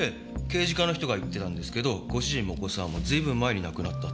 刑事課の人が言ってたんですけどご主人もお子さんも随分前に亡くなったって。